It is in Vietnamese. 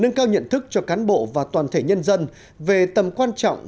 nâng cao nhận thức cho cán bộ và toàn thể nhân dân về tầm quan trọng